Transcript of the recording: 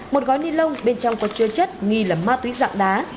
một gói ni lông bên trong có chứa chất nghi là ma túy dạng đá